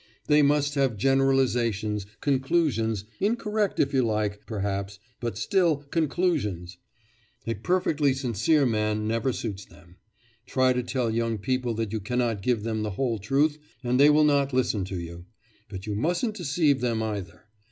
They must have generalisations, conclusions, incorrect if you like, perhaps, but still conclusions! A perfectly sincere man never suits them. Try to tell young people that you cannot give them the whole truth, and they will not listen to you. But you mustn't deceive them either.